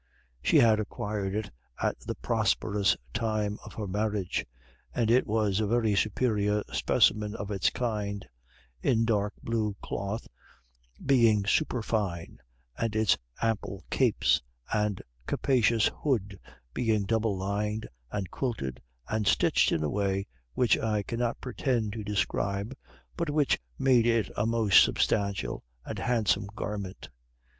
She had acquired it at the prosperous time of her marriage, and it was a very superior specimen of its kind, in dark blue cloth being superfine, and its ample capes and capacious hood being double lined and quilted and stitched in a way which I cannot pretend to describe, but which made it a most substantial and handsome garment.